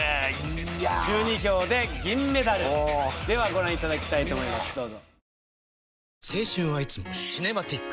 いや１２票で銀メダルではご覧いただきたいと思います